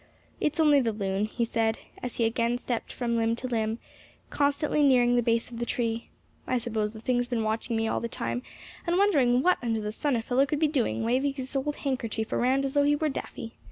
"It's only the loon," he said, as he again slipped from limb to limb, constantly nearing the base of the tree. "I suppose the thing's been watching me all the time, and wondering what under the sun a fellow could be doing, waving his old handkerchief around as though he were daffy.